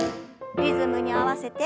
リズムに合わせて。